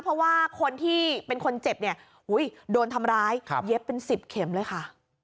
เพราะว่าคนที่เป็นคนเจ็บเนี่ยโดนทำร้ายเย็บเป็น๑๐เข็มเลยค่ะ